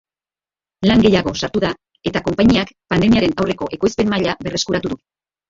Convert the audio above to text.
Lan gehiago sartu da eta konpainiak pandemiaren aurreko ekoizpen maila berreskuratu du.